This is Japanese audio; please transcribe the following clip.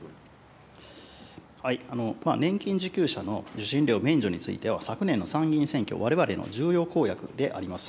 年金受給者の受信料免除については、昨年の参議院選挙、われわれの重要公約であります。